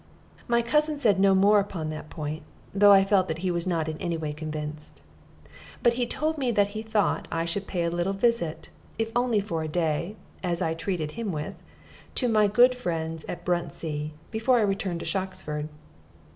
My cousin said no more upon that point, though I felt that he was not in any way convinced; but he told me that he thought I should pay a little visit, if only for a day, such as I treated him with, to my good friends at Bruntsea, before I returned to Shoxford.